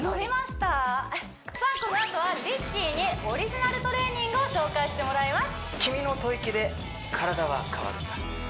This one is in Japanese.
さあこのあとはＲＩＣＫＥＹにオリジナルトレーニングを紹介してもらいます